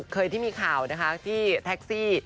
เคยที่มีข่าวนะคะที่แท็กซี่